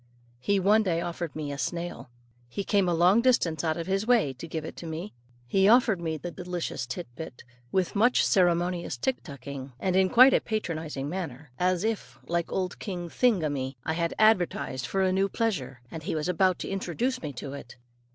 He one day offered me a snail. He came a long distance out of his way too to give it to me. He offered me the delicious tit bit with much ceremonious tick tucking, and in quite a patronizing manner, as if, like old King Thingummy, I had advertised for a new pleasure, and he was about to introduce me to it.